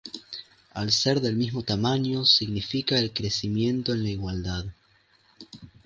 Al ser del mismo tamaño significa el crecimiento en la igualdad.